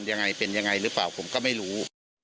ยังไงเป็นยังไงหรือเปล่าผมก็ไม่รู้